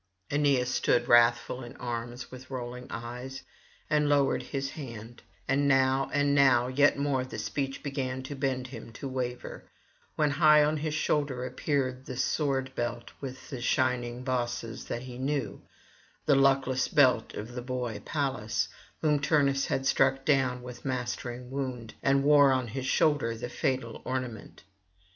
Aeneas stood wrathful in arms, with rolling eyes, and lowered his hand; and now and now yet more the speech began to bend him to waver: when high on his shoulder appeared the sword belt with the shining bosses that he knew, the luckless belt of the boy Pallas, whom Turnus had struck down with mastering wound, and wore on his shoulders the fatal ornament.